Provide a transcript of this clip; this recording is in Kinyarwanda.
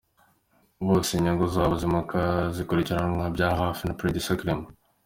Bose inyungu zabo za muzika zikurikiranirwa bya hafi na Producer Clement.